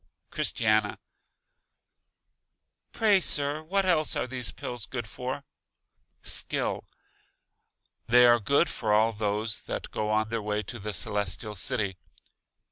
Christiana: Pray, Sir, what else are these Pills good for? Skill: They are good for all those that go on their way to The Celestial City.